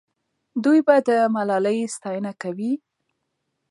دوی به د ملالۍ ستاینه کوي.